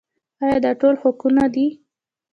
آیا دا ټول حقونه دي؟